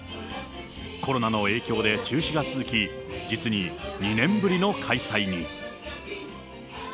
コロナの影響で中止が続き、実に２年ぶりの開催に。